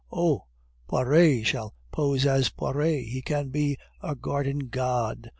"Oh! Poiret shall pose as Poiret. He can be a garden god!"